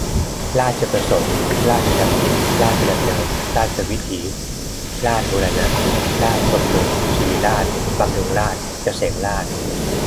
ราชประสงค์ ราชดำริ ราชดำเนิน ราชวิถี ราษฎร์บูรณะ ราษฎร์บำรุง ศิริราช บำรุงราษฎร์ เกษมราษฏร์